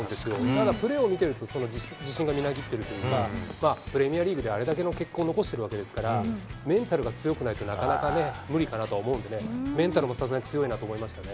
ただプレーを見てると、その自信がみなぎっているというか、プレミアリーグであれだけの結果を残しているわけですから、メンタルが強くないと、なかなかね、無理かなと思うんで、メンタルの支え強いなと思いましたね。